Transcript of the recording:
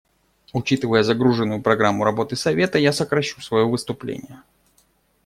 Учитывая загруженную программу работы Совета, я сокращу свое выступление.